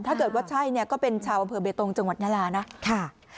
ถ้าเกิดว่าใช่เนี่ยก็เป็นชาวอำเภอเบตงจังหวัดยาลานะค่ะ